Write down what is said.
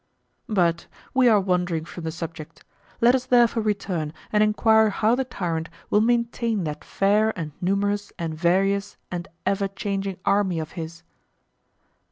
But we are wandering from the subject: Let us therefore return and enquire how the tyrant will maintain that fair and numerous and various and ever changing army of his.